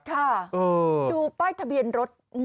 ค่ะดูป้ายทะเบียนรถ